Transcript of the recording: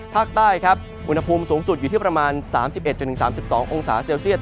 ภาคใต้ครับอุณหภูมิสูงสุดอยู่ที่ประมาณ๓๑๓๒องศาเซลเซียต